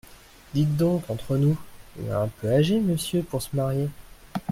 Dites donc… entre nous… il est un peu âgé, Monsieur, pour se marier…